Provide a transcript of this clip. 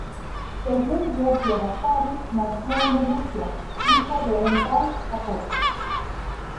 Según Giorgio Vasari, nació en Venecia, hijo de un tal Jacopo.